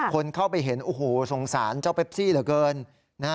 คนเข้าไปเห็นโอ้โหสงสารเจ้าเปปซี่เหลือเกินนะฮะ